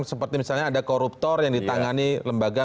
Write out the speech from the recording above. seperti misalnya ada koruptor yang ditangani lembaga